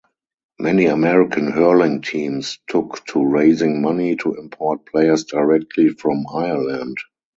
Many American hurling teams took to raising money to import players directly from Ireland.